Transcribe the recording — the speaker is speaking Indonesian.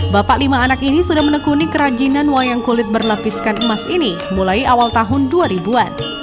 bapak lima anak ini sudah menekuni kerajinan wayang kulit berlapiskan emas ini mulai awal tahun dua ribu an